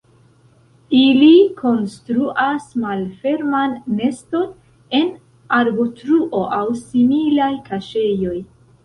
Ili konstruas malferman neston en arbotruo aŭ similaj kaŝeĵoj.